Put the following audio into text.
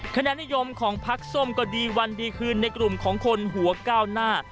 คะแนนนิยมของพักส้มก็ดีวันดีคืนในกลุ่มของคนหัวก้าวหน้า